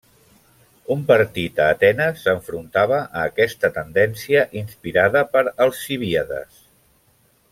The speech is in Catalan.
Un partit a Atenes s'enfrontava a aquesta tendència inspirada per Alcibíades.